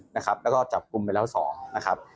แล้วก็จับกลุ่มไปแล้ว๒นะครับ